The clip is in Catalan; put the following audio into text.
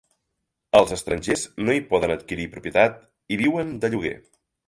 Els estrangers no hi poden adquirir propietat i viuen de lloguer.